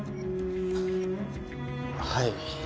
はい。